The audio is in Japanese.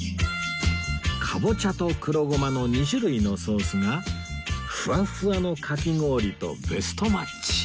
カボチャと黒ゴマの２種類のソースがふわふわのかき氷とベストマッチ